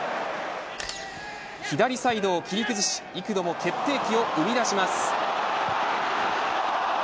左サイドを切り崩し幾度も決定機を生み出します。